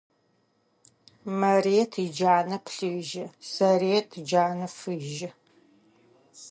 Марыет иджанэ плъыжьы, Сарыет иджанэ фыжьы.